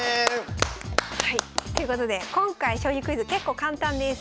はいということで今回将棋クイズ結構簡単です。